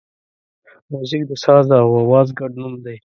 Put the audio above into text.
موزیک د ساز او آواز ګډ نوم دی.